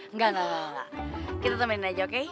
enggak enggak kita temenin aja oke